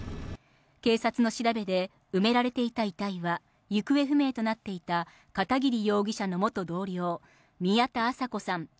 警察の調べで埋められていた遺体は行方不明となっていた片桐容疑者の元同僚・宮田麻子さん